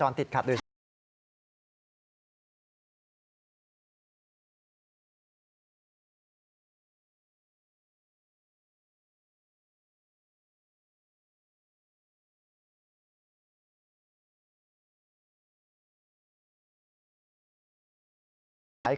โปรดติดตามตอนต่อไป